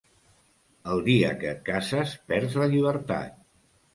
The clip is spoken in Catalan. El dia que et cases perds la llibertat.